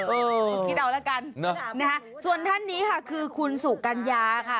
เออคิดเดาแล้วกันส่วนท่านนี้ค่ะคือคุณสุกัญญาค่ะ